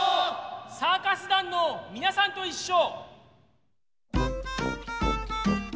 サーカス団のみなさんといっしょ！